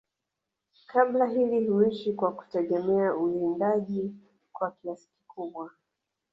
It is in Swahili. kabila hili huishi kwa kutegemea uwindaji kwa kiasi kikubwa